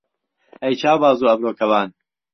ئهی چاو باز و ئهبرۆ کهوان